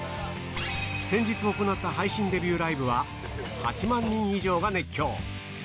先日行った配信デビューライブは８万人以上が熱狂。